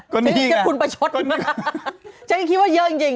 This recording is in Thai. ก็นี่ค่ะก็นี่ค่ะฉันยังคิดว่าเยอะจริง